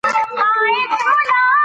دا کار د ناروغ لپاره دی.